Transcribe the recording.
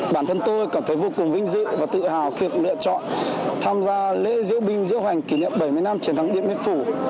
bản thân tôi cảm thấy vô cùng vinh dự và tự hào khi được lựa chọn tham gia lễ diễu binh diễu hoành kỷ niệm bảy mươi năm chiến thắng điện biên phủ